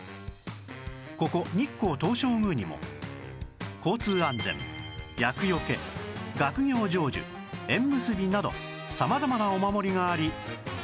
ここ日光東照宮にも交通安全厄除け学業成就縁結びなど様々なお守りがあり